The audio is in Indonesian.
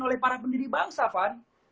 oleh para pendiri bangsa far